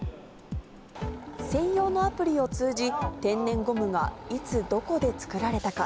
専用のアプリを通じ、天然ゴムがいつ、どこで作られたか。